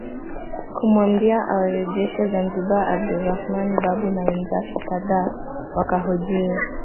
Kumwambia awarejeshe Zanzibar Abdulrahman Babu na wenzake kadhaa wakahojiwe